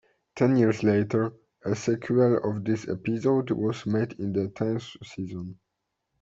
Ten years later, a sequel of this episode was made in the tenth season.